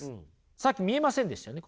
さっき見えませんでしたよね